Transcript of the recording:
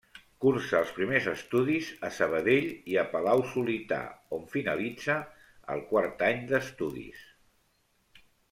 Cursa els primers estudis, a Sabadell i a Palau-solità, on finalitza el quart any d'estudis.